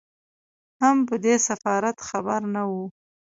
هم په دې سفارت خبر نه وو.